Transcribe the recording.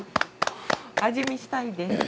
味見したいです。